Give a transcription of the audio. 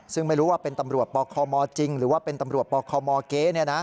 ซึ่งไม่รู้ว่าเป็นตำรวจปคมจริงหรือว่าเป็นตำรวจปคมเก๊